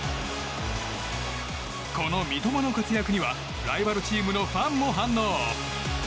この三笘の活躍にはライバルチームのファンも反応。